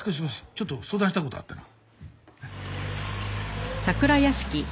ちょっと相談したい事あってな。